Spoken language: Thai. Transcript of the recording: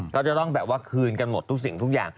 ก็จะต้องแบบว่าคืนกันหมดทุกสิ่งทุกอย่าง